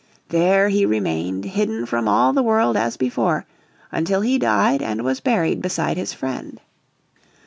There he remained hidden from all the world as before, until he died and was buried beside his friend.